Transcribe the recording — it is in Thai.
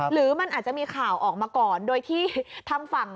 หรือมันอาจจะมีข่าวออกมาก่อน